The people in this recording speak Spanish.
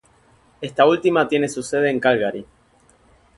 Esta última tiene su sede en Calgary.